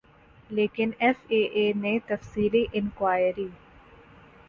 لیکن F A A نے تفصیلی انکوائری